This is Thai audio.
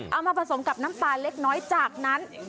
เอามาผสมกับน้ำตาลเล็กน้อยจากนั้น